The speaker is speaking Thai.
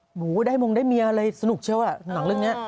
หูหือได้มงได้เมียสนุกเฉยวะวะหนักเรื่องเนี่ย